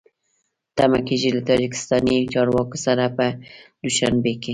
تمه کېږي له تاجکستاني چارواکو سره په دوشنبه کې